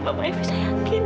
mama dia tak bisa yakin